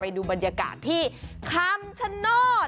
ดูบรรยากาศที่คำชโนธ